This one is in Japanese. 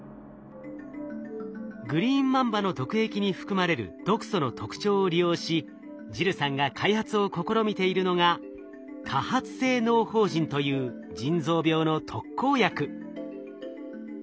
グリーンマンバの毒液に含まれる毒素の特徴を利用しジルさんが開発を試みているのがという腎臓病の特効薬。